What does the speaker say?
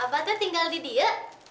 abah tuh tinggal di dia